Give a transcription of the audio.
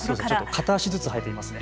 片足ずつ履いてみますね。